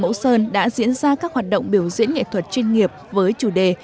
mẫu sơn đã diễn ra các hoạt động biểu diễn nghệ thuật chuyên nghiệp với chủ đề